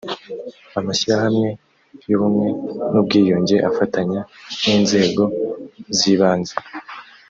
amashyirahamwe y ubumwe n ubwiyunge afatanya n inzego z ibanze